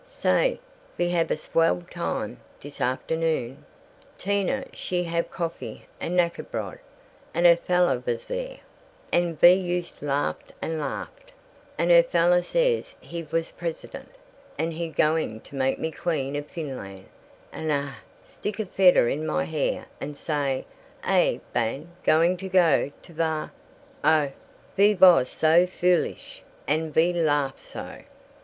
Say, ve have a svell time, dis afternoon. Tina she have coffee and knackebrod, and her fella vos dere, and ve yoost laughed and laughed, and her fella say he vos president and he going to make me queen of Finland, and Ay stick a fedder in may hair and say Ay bane going to go to var oh, ve vos so foolish and ve LAUGH so!"